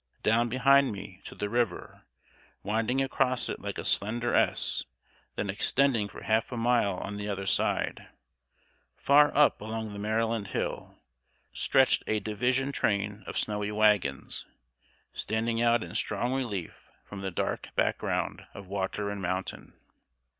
Down behind me, to the river, winding across it like a slender S, then extending for half a mile on the other side, far up along the Maryland hill, stretched a division train of snowy wagons, standing out in strong relief from the dark background of water and mountain.